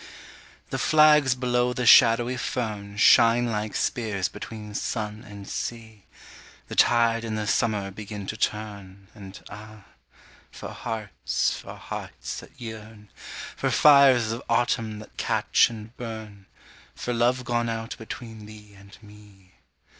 THE flags below the shadowy fern Shine like spears between sun and sea, The tide and the summer begin to turn, And ah, for hearts, for hearts that yearn, For fires of autumn that catch and burn, For love gone out between thee and me.